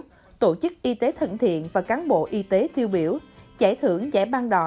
người sống với hiv aids tiêu biểu tổ chức y tế thận thiện và cán bộ y tế tiêu biểu giải thưởng giải băng đỏ